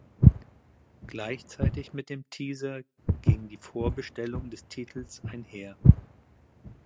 Gleichzeitig mit dem Teaser ging die Vorbestellung des Titels einher.